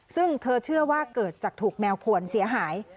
ซึ่งเธอเชื่อว่าเกิดจากถูกแมวขวนเสียหาย